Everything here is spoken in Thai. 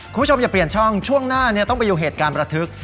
คุณผู้ชมอย่าเปลี่ยนช่องช่วงหน้าต้องไปดูเหตุการณ์ประทึก